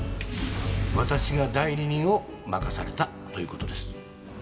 私が代理人を任されたという事です。